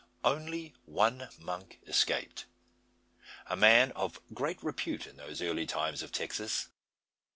Only one monk escaped a man of great repute in those early times of Texas.